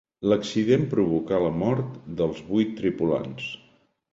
L'accident provocà la mort dels vuit tripulants.